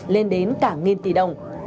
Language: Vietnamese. lên đến cả nghìn tỷ đồng